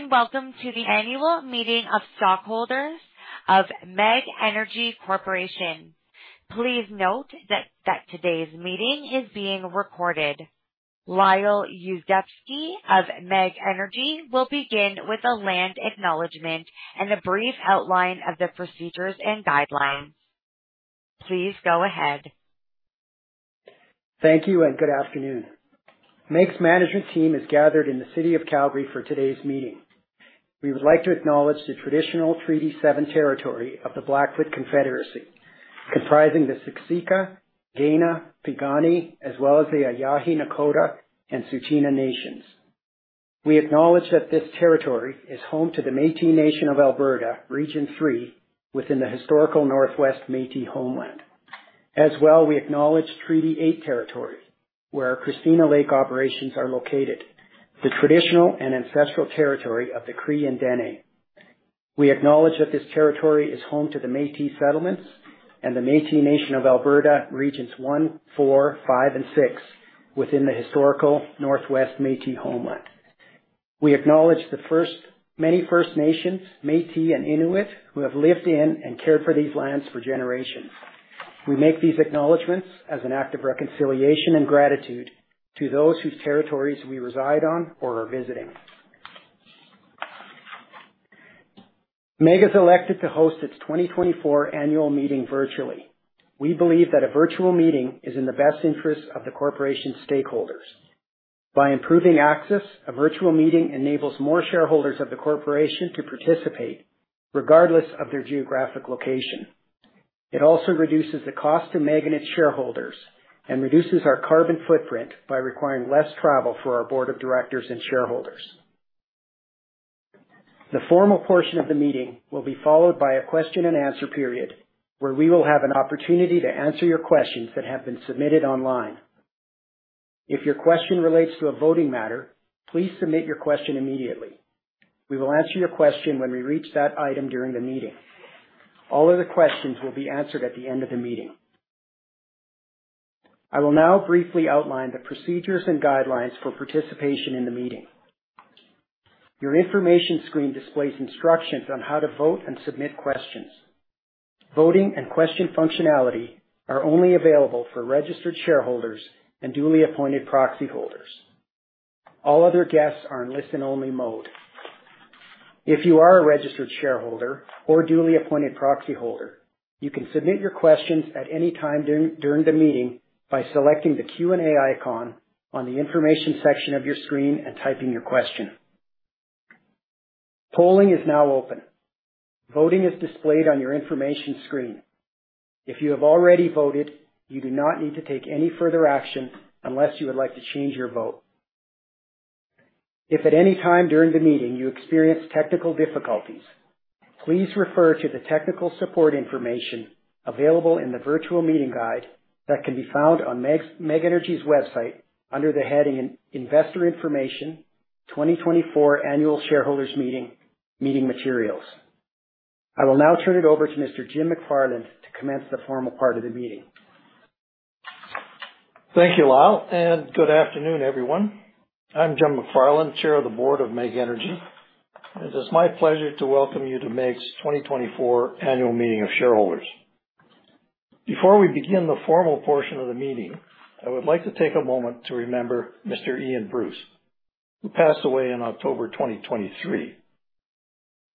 Hello, and welcome to the annual meeting of stockholders of MEG Energy Corporation. Please note that today's meeting is being recorded. Lyle Yuzdepski of MEG Energy will begin with a land acknowledgment and a brief outline of the procedures and guidelines. Please go ahead. Thank you, and good afternoon. MEG's management team is gathered in the city of Calgary for today's meeting. We would like to acknowledge the traditional Treaty 7 territory of the Blackfoot Confederacy, comprising the Siksika, Kainai, Piikani, as well as the Îyârhe Nakoda and Tsuut'ina Nations. We acknowledge that this territory is home to the Métis Nation of Alberta, Region 3, within the historical Northwest Métis homeland. As well, we acknowledge Treaty 8 territory, where Christina Lake operations are located, the traditional and ancestral territory of the Cree and Dene. We acknowledge that this territory is home to the Métis settlements and the Métis Nation of Alberta, Regions 1, 4, 5, and 6, within the historical Northwest Métis homeland. We acknowledge the many First Nations, Métis and Inuit, who have lived in and cared for these lands for generations. We make these acknowledgements as an act of reconciliation and gratitude to those whose territories we reside on or are visiting. MEG has elected to host its 2024 annual meeting virtually. We believe that a virtual meeting is in the best interest of the corporation's stakeholders. By improving access, a virtual meeting enables more shareholders of the corporation to participate regardless of their geographic location. It also reduces the cost to MEG and its shareholders and reduces our carbon footprint by requiring less travel for our board of directors and shareholders. The formal portion of the meeting will be followed by a question and answer period, where we will have an opportunity to answer your questions that have been submitted online. If your question relates to a voting matter, please submit your question immediately. We will answer your question when we reach that item during the meeting. All other questions will be answered at the end of the meeting. I will now briefly outline the procedures and guidelines for participation in the meeting. Your information screen displays instructions on how to vote and submit questions. Voting and question functionality are only available for registered shareholders and duly appointed proxy holders. All other guests are in listen-only mode. If you are a registered shareholder or duly appointed proxy holder, you can submit your questions at any time during the meeting by selecting the Q&A icon on the information section of your screen and typing your question. Polling is now open. Voting is displayed on your information screen. If you have already voted, you do not need to take any further action unless you would like to change your vote. If at any time during the meeting you experience technical difficulties, please refer to the technical support information available in the virtual meeting guide that can be found on MEG's—MEG Energy's website under the heading Investor Information 2024 Annual Shareholders Meeting, Meeting Materials. I will now turn it over to Mr. Jim McFarland to commence the formal part of the meeting. Thank you, Lyle, and good afternoon, everyone. I'm Jim McFarland, Chair of the Board of MEG Energy, and it's my pleasure to welcome you to MEG's 2024 annual meeting of shareholders. Before we begin the formal portion of the meeting, I would like to take a moment to remember Mr. Ian Bruce, who passed away in October 2023.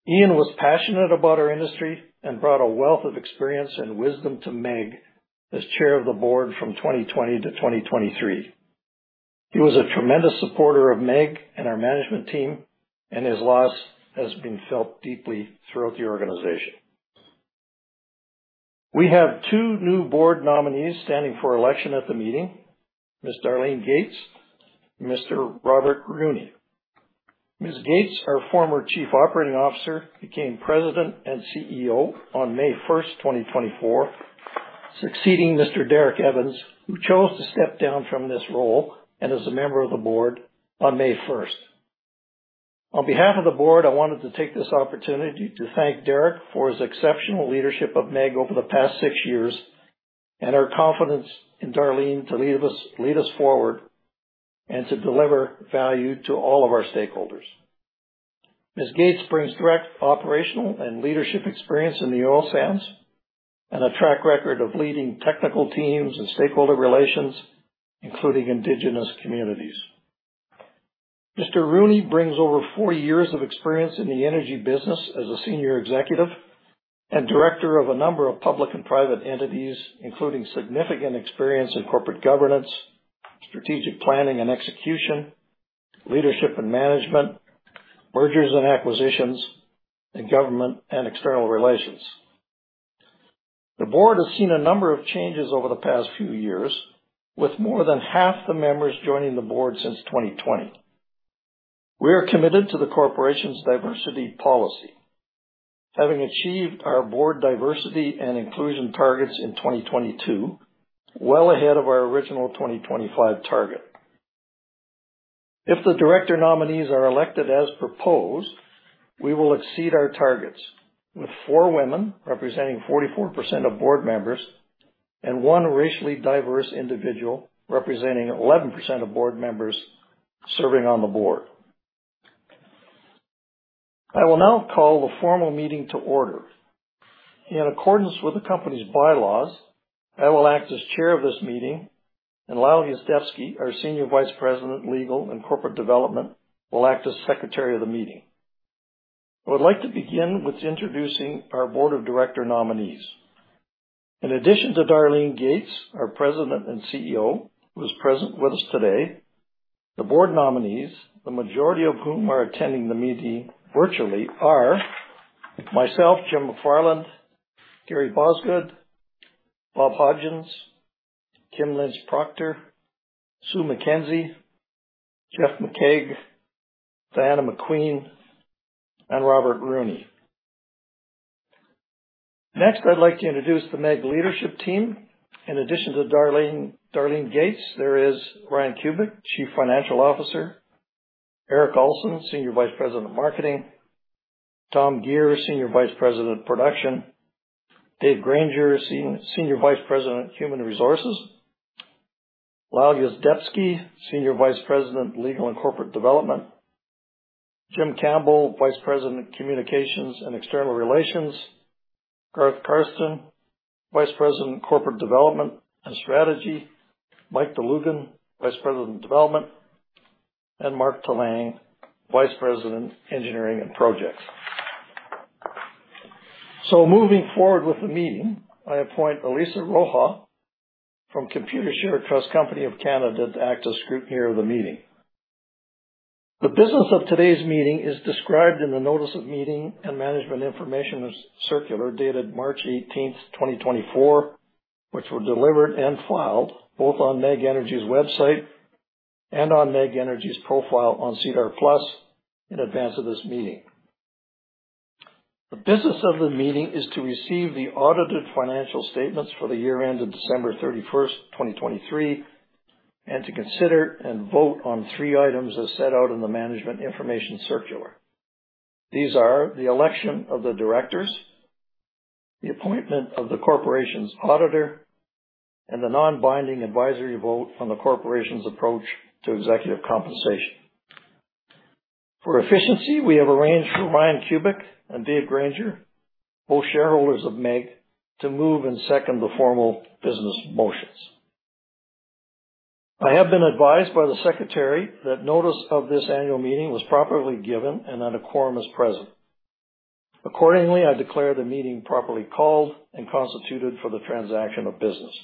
Ian was passionate about our industry and brought a wealth of experience and wisdom to MEG as Chair of the Board from 2020 to 2023. He was a tremendous supporter of MEG and our management team, and his loss has been felt deeply throughout the organization. We have two new board nominees standing for election at the meeting, Ms. Darlene Gates and Mr. Robert Rooney. Ms. Gates, our former chief operating officer, became president and CEO on May first, 2024, succeeding Mr. Derek Evans, who chose to step down from this role and is a member of the board on May first. On behalf of the board, I wanted to take this opportunity to thank Derek for his exceptional leadership of MEG over the past 6 years and our confidence in Darlene to lead us, lead us forward and to deliver value to all of our stakeholders. Ms. Gates brings direct operational and leadership experience in the oil sands and a track record of leading technical teams and stakeholder relations, including indigenous communities. Mr. Rooney brings over 40 years of experience in the energy business as a senior executive and director of a number of public and private entities, including significant experience in corporate governance, strategic planning and execution, leadership and management, mergers and acquisitions, and government and external relations. The board has seen a number of changes over the past few years, with more than half the members joining the board since 2020. We are committed to the corporation's diversity policy, having achieved our board diversity and inclusion targets in 2022, well ahead of our original 2025 target. If the director nominees are elected as proposed, we will exceed our targets, with four women representing 44% of board members, and one racially diverse individual representing 11% of board members serving on the board. I will now call the formal meeting to order. In accordance with the company's bylaws, I will act as chair of this meeting, and Lyle Yuzdepski, our Senior Vice President, Legal and Corporate Development, will act as Secretary of the meeting. I would like to begin with introducing our board of director nominees. In addition to Darlene Gates, our President and CEO, who is present with us today, the board nominees, the majority of whom are attending the meeting virtually, are myself, Jim McFarland, Gary Bosgood, Bob Hodgins, Kim Lynch-Proctor, Sue Mackenzie, Jeff McKaig, Diana McQueen, and Robert Rooney. Next, I'd like to introduce the MEG leadership team. In addition to Darlene, Darlene Gates, there is Ryan Kubik, Chief Financial Officer, Erik Alson, Senior Vice President of Marketing, Tom Gear, Senior Vice President of Production, Dave Granger, Senior Vice President of Human Resources, Lyle Yuzdepski, Senior Vice President, Legal and Corporate Development, Jim Campbell, Vice President of Communications and External Relations, Garth Castren, Vice President of Corporate Development and Strategy, Mike Dlugan, Vice President of Development, and Mark Telang, Vice President, Engineering and Projects. Moving forward with the meeting, I appoint Elisa Roja from Computershare Trust Company of Canada to act as scrutineer of the meeting. The business of today's meeting is described in the Notice of Meeting and Management Information Circular, dated March 18, 2024, which were delivered and filed both on MEG Energy's website and on MEG Energy's profile on SEDAR+ in advance of this meeting. The business of the meeting is to receive the audited financial statements for the year end of December 31, 2023 and to consider and vote on three items as set out in the Management Information Circular. These are the election of the directors, the appointment of the corporation's auditor, and the non-binding advisory vote on the corporation's approach to executive compensation. For efficiency, we have arranged for Ryan Kubik and Dave Granger, both shareholders of MEG, to move and second the formal business motions. I have been advised by the secretary that notice of this annual meeting was properly given and that a quorum is present. Accordingly, I declare the meeting properly called and constituted for the transaction of business.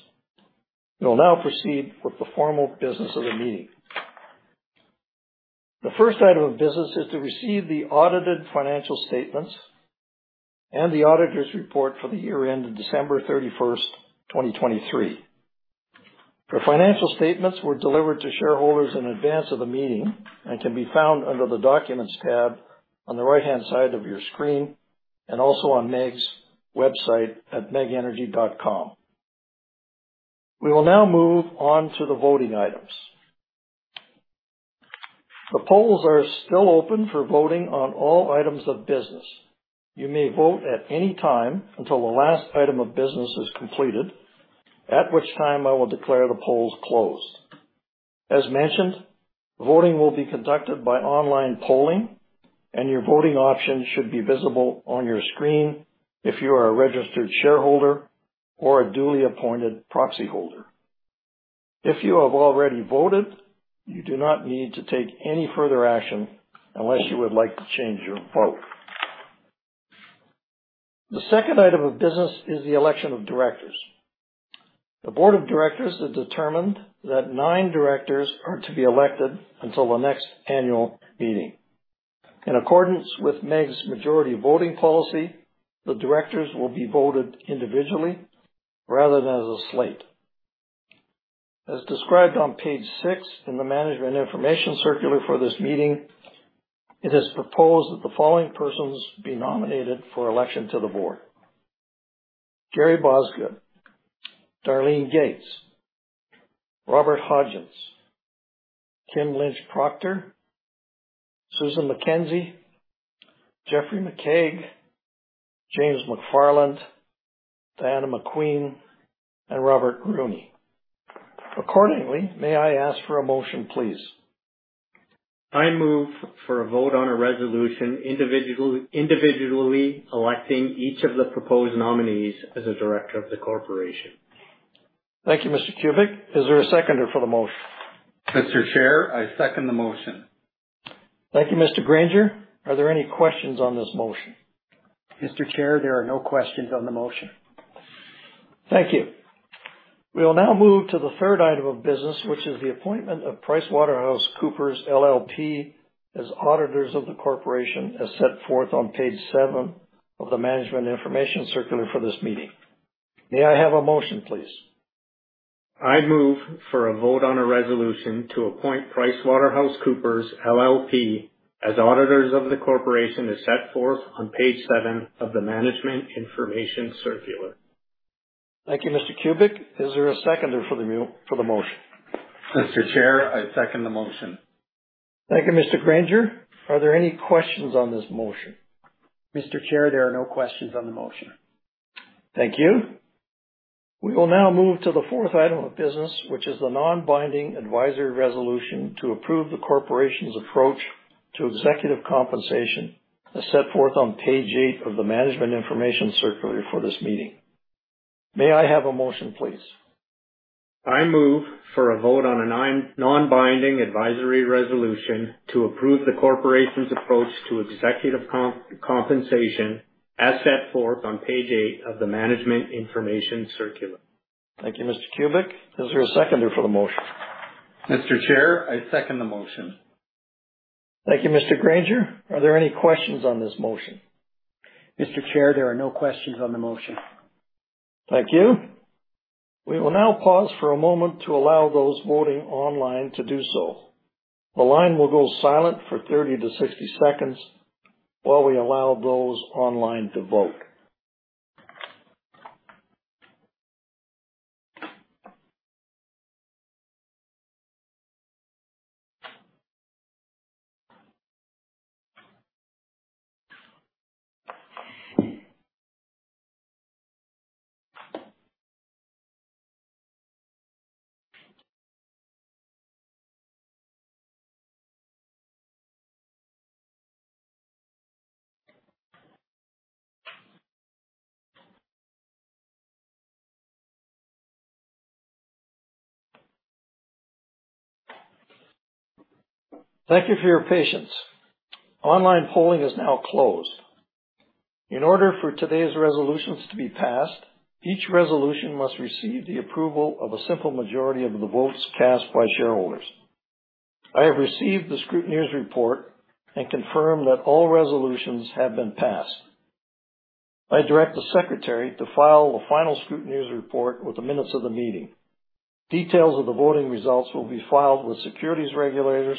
We will now proceed with the formal business of the meeting. The first item of business is to receive the audited financial statements and the auditor's report for the year end of December 31, 2023. The financial statements were delivered to shareholders in advance of the meeting and can be found under the Documents tab on the right-hand side of your screen, and also on MEG's website at megenergy.com. We will now move on to the voting items. The polls are still open for voting on all items of business. You may vote at any time until the last item of business is completed, at which time I will declare the polls closed. As mentioned, voting will be conducted by online polling, and your voting options should be visible on your screen if you are a registered shareholder or a duly appointed proxy holder. If you have already voted, you do not need to take any further action unless you would like to change your vote. The second item of business is the election of directors. The board of directors has determined that nine directors are to be elected until the next annual meeting. In accordance with MEG's majority voting policy, the directors will be voted individually rather than as a slate. As described on page 6 in the Management Information Circular for this meeting, it is proposed that the following persons be nominated for election to the board: Gary Bosgood, Darlene Gates, Robert Hodgins, Kim Lynch-Proctor, Susan Mackenzie, Jeffrey McKaig, James McFarland, Diana McQueen, and Robert Rooney. Accordingly, may I ask for a motion, please? I move for a vote on a resolution individually electing each of the proposed nominees as a director of the corporation. Thank you, Mr. Kubik. Is there a seconder for the motion? Mr. Chair, I second the motion. Thank you, Mr. Granger. Are there any questions on this motion? Mr. Chair, there are no questions on the motion. Thank you. We will now move to the third item of business, which is the appointment of PricewaterhouseCoopers LLP as auditors of the corporation, as set forth on page seven of the Management Information Circular for this meeting. May I have a motion, please? I move for a vote on a resolution to appoint PricewaterhouseCoopers LLP as auditors of the corporation, as set forth on page seven of the Management Information Circular. Thank you, Mr. Kubik. Is there a seconder for the motion? Mr. Chair, I second the motion. Thank you, Mr. Granger. Are there any questions on this motion? Mr. Chair, there are no questions on the motion. Thank you. We will now move to the fourth item of business, which is the non-binding advisory resolution to approve the corporation's approach to executive compensation, as set forth on page 8 of the Management Information Circular for this meeting. May I have a motion, please? I move for a vote on a non-binding advisory resolution to approve the corporation's approach to executive compensation, as set forth on page eight of the Management Information Circular. Thank you, Mr. Kubik. Is there a seconder for the motion? Mr. Chair, I second the motion. Thank you, Mr. Granger. Are there any questions on this motion? Mr. Chair, there are no questions on the motion. Thank you. We will now pause for a moment to allow those voting online to do so. The line will go silent for 30-60 seconds while we allow those online to vote. Thank you for your patience. Online polling is now closed. In order for today's resolutions to be passed, each resolution must receive the approval of a simple majority of the votes cast by shareholders. I have received the scrutineer's report and confirm that all resolutions have been passed. I direct the secretary to file the final scrutineer's report with the minutes of the meeting. Details of the voting results will be filed with securities regulators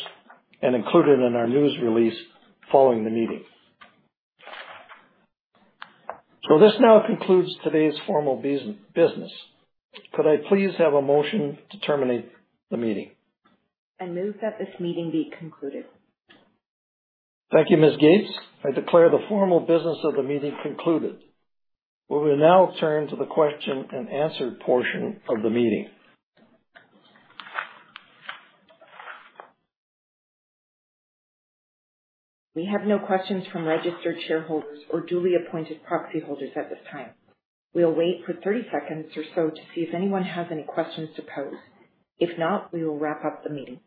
and included in our news release following the meeting. So this now concludes today's formal business. Could I please have a motion to terminate the meeting? I move that this meeting be concluded. Thank you, Ms. Gates. I declare the formal business of the meeting concluded. We will now turn to the question-and-answer portion of the meeting. We have no questions from registered shareholders or duly appointed proxy holders at this time. We'll wait for 30 seconds or so to see if anyone has any questions to pose. If not, we will wrap up the meeting.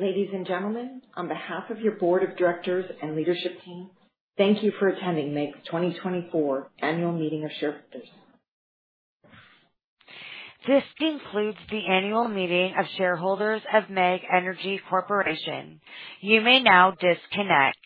Ladies and gentlemen, on behalf of your board of directors and leadership team, thank you for attending the 2024 annual meeting of shareholders. This concludes the annual meeting of shareholders of MEG Energy Corporation. You may now disconnect.